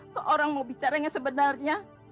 nah orang mau bicara yang sebenarnya